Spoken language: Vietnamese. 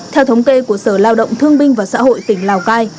theo thống kê của sở lao động thương binh và xã hội tỉnh lào cai